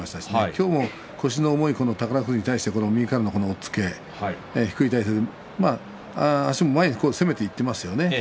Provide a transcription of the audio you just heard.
今日も腰の重い宝富士に対して右からの押っつけ、低い体勢で前に攻めていってますよね。